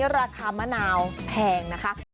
ราคามะนาวแพงนะคะ